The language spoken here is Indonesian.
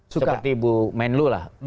seperti bu menlu lah